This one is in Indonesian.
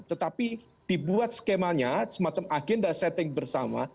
tetapi dibuat skemanya semacam agenda setting bersama